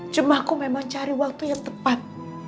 cuma aku memang cari waktu yang tepat